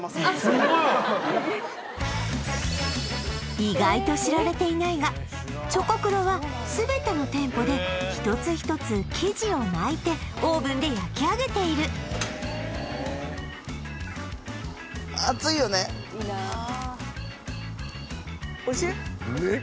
意外と知られていないがチョコクロは全ての店舗で１つ１つ生地を巻いてオーブンで焼きあげている熱いよねおいしい？